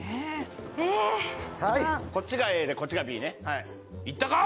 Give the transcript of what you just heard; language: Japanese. こっちがＡでこっちがＢね行ったか？